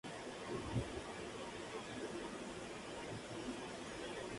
Ella tiene constantemente relaciones sexuales con otros hombres.